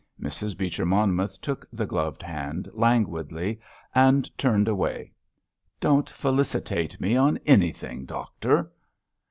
Mrs. Beecher Monmouth took the gloved hand languidly and turned away. "Don't felicitate me on anything, Doctor!"